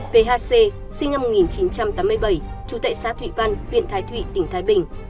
phc sinh năm một nghìn chín trăm tám mươi bảy trú tại xã thụy văn huyện thái thụy tỉnh thái bình